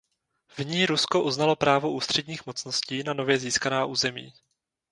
V ní Rusko uznalo právo ústředních mocností na nově získaná území.